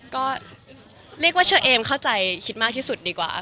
ก็เรียกว่าเชอเอมเข้าใจคิดมากที่สุดดีกว่า